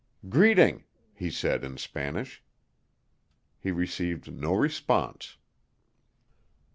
"Greeting," he said in Spanish. He received no response.